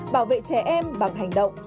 bảo vệ trẻ em bằng hành động